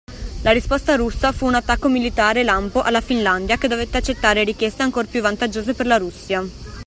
La risposta russa fu un attacco militare lampo alla Finlandia che dovette accettare richieste ancor più vantaggiose per la Russia.